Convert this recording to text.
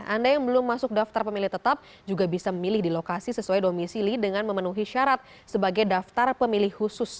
anda yang belum masuk daftar pemilih tetap juga bisa memilih di lokasi sesuai domisili dengan memenuhi syarat sebagai daftar pemilih khusus